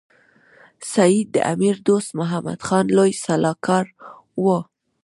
سید د امیر دوست محمد خان لوی سلاکار وو.